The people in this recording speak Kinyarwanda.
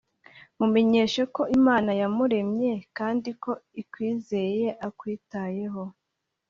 mumenyeshe ko imana yamuremye, kandi ko ikwizeye akwitayeho.